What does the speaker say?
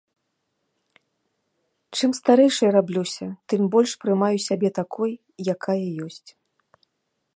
Чым старэйшай раблюся, тым больш прымаю сябе такой, якая ёсць.